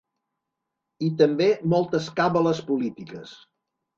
I també moltes càbales polítiques.